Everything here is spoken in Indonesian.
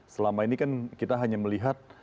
selama ini kan kita hanya melihat